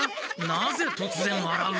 なぜ突然わらう？